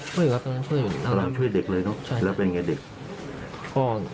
ช่วยอยู่ครับตรงนั้นช่วยอยู่ช่วยเด็กเลยเนอะใช่แล้วเป็นไงเด็ก